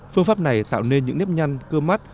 phương pháp này tạo nên những nếp nhăn cơ mắt